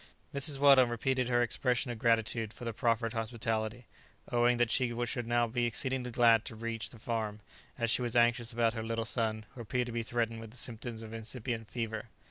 Mrs. Weldon repeated her expression of gratitude for the proffered hospitality, owning that she should now be exceedingly glad to reach the farm, as she was anxious about her little son, who appeared to be threatened with the symptoms of incipient fever.